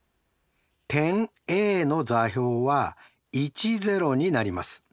点Ａの座標はになります。